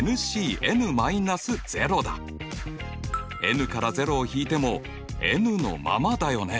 ｎから０を引いてもｎのままだよね。